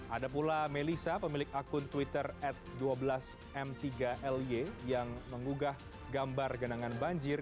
ada pula melisa pemilik akun twitter at dua belas m tiga ly yang mengugah gambar genangan banjir